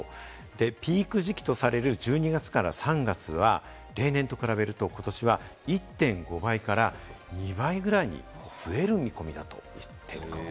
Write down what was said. ピーク時期とされる１２月から３月は例年と比べると今年は１．５倍から２倍ぐらいに増える見込みだということなんです。